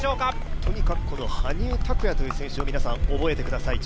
とにかく羽生拓矢という選手を皆さん覚えてください。